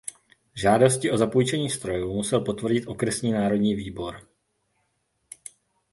Žádosti o zapůjčení strojů musel potvrdit okresní národní výbor.